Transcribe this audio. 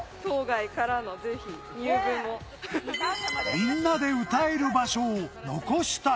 みんなで歌える場所を残したい。